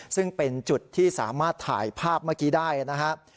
ซึ่งเป็นจุดที่สามารถถ่ายภาพเมื่อกี้ได้นะครับ